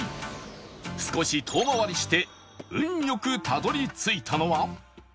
少し遠回りして運良くたどり着いたのは